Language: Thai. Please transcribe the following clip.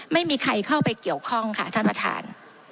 ไม่มีใครเข้าไปเกี่ยวข้องค่ะท่านประธาน